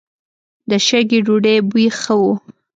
د شګې ډوډۍ بوی ښه و.